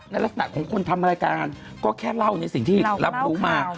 ลักษณะของคนทำรายการก็แค่เล่าในสิ่งที่รับรู้มา